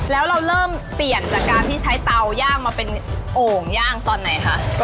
แล้วเราเริ่มเปลี่ยนจากการที่ใช้เตาย่างมาเป็นโอ่งย่างตอนไหนคะ